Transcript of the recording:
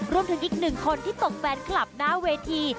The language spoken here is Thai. รวมถึงอีกหนึ่งคนที่ตกแฟนคลับหน้าเวที